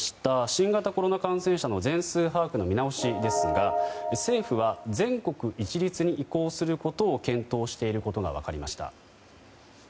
新型コロナ感染者の全数把握についてですが政府は、全国一律に移行することを検討していることが分かりました。